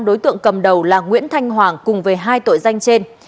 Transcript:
đối tượng cầm đầu là nguyễn thanh hoàng cùng với hai tội danh trên